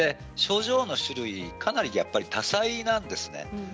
症状の種類、多彩なんですね。